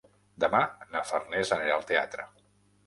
Demà na Farners anirà al teatre.